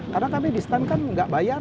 karena kami di stan kan gak bayar